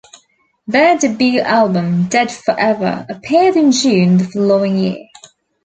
Their debut album, "Dead Forever...", appeared in June the following year.